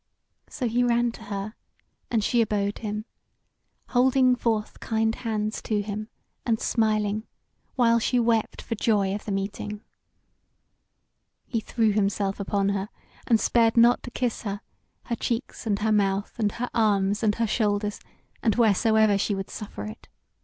So he ran to her, and she abode him, holding forth kind hands to him, and smiling, while she wept for joy of the meeting. He threw himself upon her, and spared not to kiss her, her cheeks and her mouth, and her arms and her shoulders, and wheresoever she would suffer it.